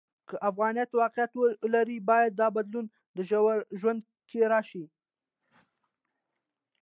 که افغانیت واقعیت ولري، باید دا بدلون د ژوند کې راشي.